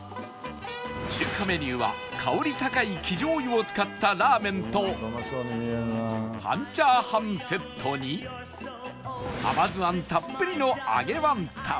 中華メニューは香り高い生醤油を使ったラーメンと半チャーハンセットに甘酢あんたっぷりのあげワンタン